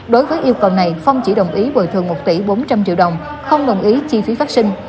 đối với yêu cầu này không chỉ đồng ý bồi thường một tỷ bốn trăm linh triệu đồng không đồng ý chi phí phát sinh